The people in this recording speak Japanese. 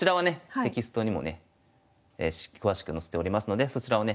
テキストにもね詳しく載せておりますのでそちらをね